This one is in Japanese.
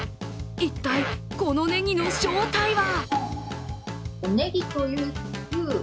一体このネギの正体は？